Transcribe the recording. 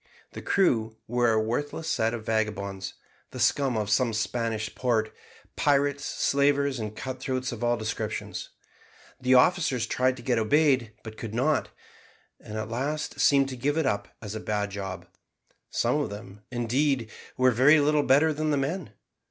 The crew were a worthless set of vagabonds, the scum of some Spanish port, pirates, slavers, and cut throats of all descriptions. The officers tried to get obeyed but could not, and at last seemed to give it up as a bad job; some of them, indeed, were very little better than the men.